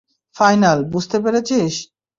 Final, বুঝতে পেরেছিস?